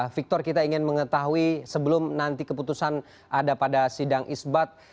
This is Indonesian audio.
victor kita ingin mengetahui sebelum nanti keputusan ada pada sidang isbat